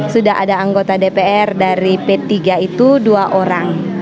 sudah ada anggota dpr dari p tiga itu dua orang